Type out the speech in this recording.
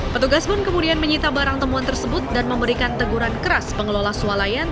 petugas pun kemudian menyita barang temuan tersebut dan memberikan teguran keras pengelola sualayan